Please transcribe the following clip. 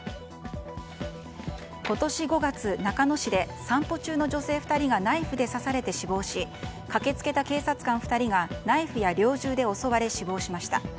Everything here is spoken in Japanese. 今年５月、中野市で散歩中の女性２人がナイフで刺されて死亡し駆けつけた警察官２人がナイフや猟銃で襲われ死亡しました。